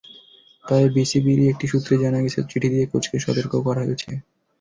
তবে বিসিবিরই একটি সূত্রে জানা গেছে, চিঠি দিয়ে কোচকে সতর্কও করা হয়েছে।